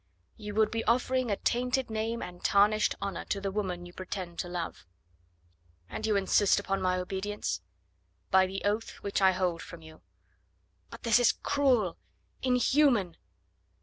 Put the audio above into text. "You would be offering a tainted name and tarnished honour to the woman you pretend to love." "And you insist upon my obedience?" "By the oath which I hold from you." "But this is cruel inhuman!"